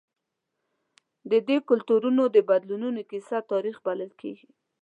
د دې کلتورونو د بدلونونو کیسه تاریخ بلل کېږي.